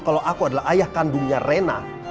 kalau aku adalah ayah kandungnya rena